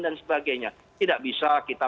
dan sebagainya tidak bisa kita